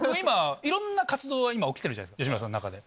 いろんな活動が今起きてるじゃないですか吉村さんの中で。